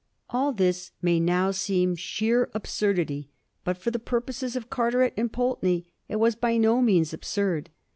All this may now seem sheer absurdity ; but for the purposes of Carteret and Pulteney it was by no means ab surd.